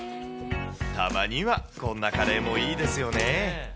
たまにはこんなカレーもいいですよね。